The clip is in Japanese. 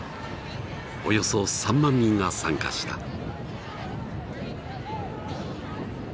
およそ３万人が参加した。